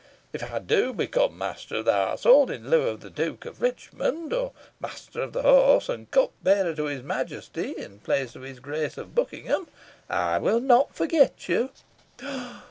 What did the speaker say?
If I do become master of the household, in lieu of the Duke of Richmond, or master of the horse and cupbearer to his Majesty, in place of his Grace of Buckingham, I will not forget you."